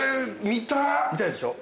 見たいでしょ？